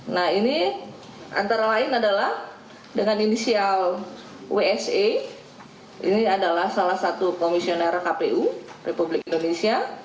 nah ini antara lain adalah dengan inisial wse ini adalah salah satu komisioner kpu republik indonesia